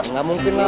nggak mungkin lah